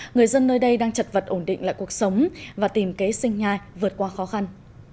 người dân nơi đây đang chật vật ổn định lại cuộc sống và tìm kế sinh nhai vượt qua khó khăn